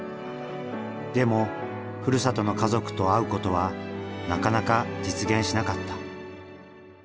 でもふるさとの家族と会うことはなかなか実現しなかった。